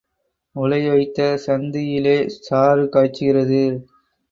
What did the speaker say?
உலை வைத்த சந்தியிலே சாறு காய்ச்சுகிறது.